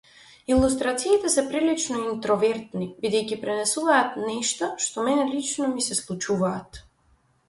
Илустрациите се прилично интровертни бидејќи пренесуваат нешта што мене лично ми се случуваат.